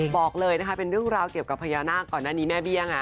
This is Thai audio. บอกเลยนะคะเป็นเรื่องราวเกี่ยวกับพญานาคก่อนหน้านี้แม่เบี้ยง